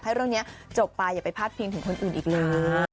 ให้เรื่องนี้จบไปอย่าไปพาดพิงถึงคนอื่นอีกเลย